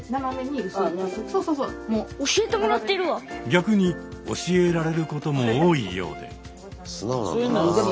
逆に教えられることも多いようで。